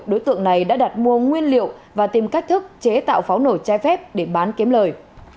đối tượng này đã đặt mua nguyên liệu và tìm cách thức chế tạo pháo nổ chai phép để bán kiếm lời